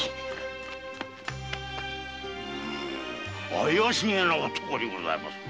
怪し気な男にございますな。